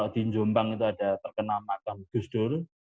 di jumbang itu ada terkena mahkam gus dur